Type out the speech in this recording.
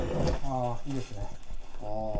あいいですね。